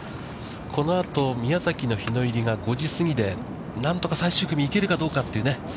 このあと宮崎の日の入りが５時過ぎで、何とか最終組、いけるかどうかというね。